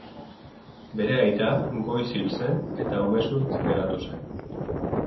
Bere aita goiz hil zen eta umezurtz geratu zen.